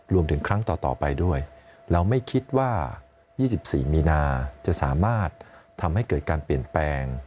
ครั้งต่อไปด้วยเราไม่คิดว่า๒๔มีนาจะสามารถทำให้เกิดการเปลี่ยนแปลง